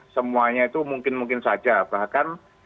semuanya itu mungkin mungkin saja bahkan